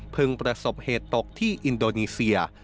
ประสบเหตุตกที่อินโดนีเซีย